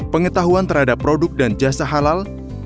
pengetahuan terhadap produk dan jasa halal